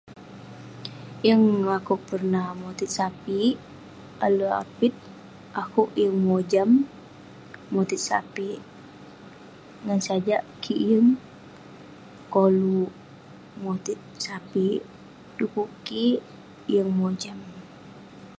Yeng akuek pernah moteik sapek alek apit akuek yeng mojam moteik sapek memang sajak kik yeng koluek moteik sapek dukuk kik yeng mojam